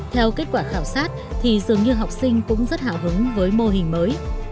theo kết quả khảo sát thì dường như học sinh cũng rất hào hứng với mô hình mới